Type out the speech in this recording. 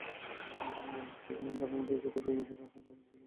সেলেনার ধারণা ভবিষ্যতের প্রেমিক তার কাছে আরও প্রিয় একজন মানুষ হবে।